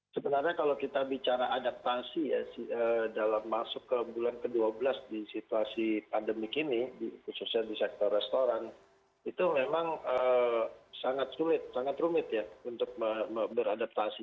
sebenarnya kalau kita bicara adaptasi ya dalam masuk ke bulan ke dua belas di situasi pandemik ini khususnya di sektor restoran itu memang sangat sulit sangat rumit ya untuk beradaptasi